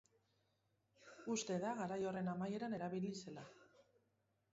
Uste da garai horren amaieran erabili zela.